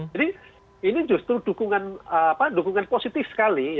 jadi ini justru dukungan positif sekali